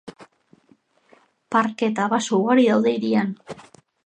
Parke eta baso ugari daude hirian.